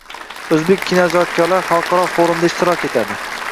O‘zbek kinoijodkorlari xalqaro forumda ishtirok etadi